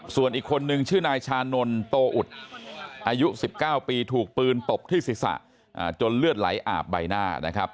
ส่วนอีกคนนึงชื่อนายชานนท์โตอุดอายุ๑๙ปีถูกปืนตบที่ศีรษะจนเลือดไหลอาบใบหน้านะครับ